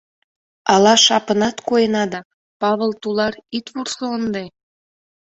— Ала шапынат койына да, Павыл тулар, ит вурсо ынде!